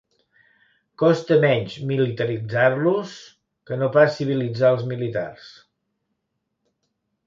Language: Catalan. Costa menys militaritzar-los que no pas civilitzar els militars.